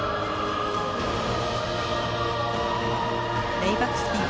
レイバックスピン。